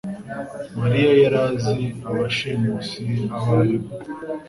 mariya yari azi abashimusi abo ari bo